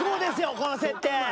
この設定！